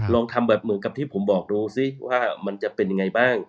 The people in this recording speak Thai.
ลองทำแบบเหมือนกับที่ผมบอกดูสิว่ามันจะเป็นยังไงบ้าง